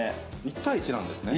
１対１なんですね。